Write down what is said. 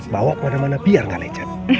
bawa ke mana mana biar gak lecet